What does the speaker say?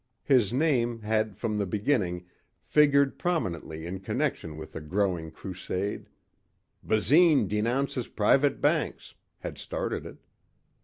His name had from the beginning figured prominently in connection with the growing crusade.... "Basine Denounces Private Banks...." had started it.